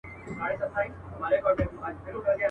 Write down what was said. د دې نوي کفن کښ کیسه جلا وه.